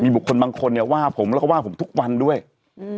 บุคคลบางคนเนี่ยว่าผมแล้วก็ว่าผมทุกวันด้วยอืม